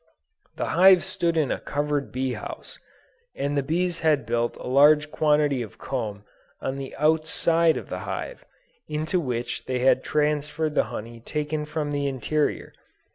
The hive stood in a covered bee house, and the bees had built a large quantity of comb on the outside of the hive, into which they had transferred the honey taken from the interior.